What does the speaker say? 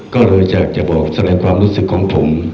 ก็เลยจะบอกสะยายความรู้สึกของผม